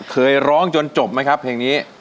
เคยร้องจนจบไหมครับเพลงนี้